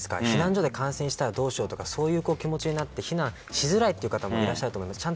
避難所で感染したらどうしようとかそういう気持ちになって避難しづらい方もいらっしゃると思います。